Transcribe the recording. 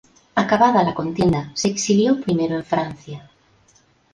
Acabada la contienda, se exilió primero en Francia.